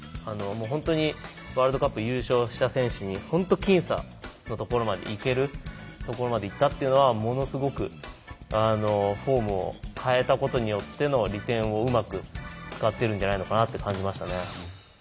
本当にワールドカップ優勝した選手に本当僅差のところまでいけるいったっていうのはものすごくフォームを変えたことによっての利点をうまく使ってるんじゃないのかなって感じましたね。